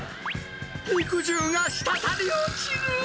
肉汁がしたたり落ちる。